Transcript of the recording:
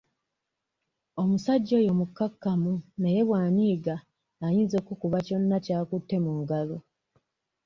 Omusajja oyo mukkakkamu naye bw'anyiiga ayinza okukuba kyonna ky'akutte mu ngalo.